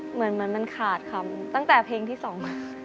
เหมือนมันขาดคำตั้งแต่เพลงที่สองมา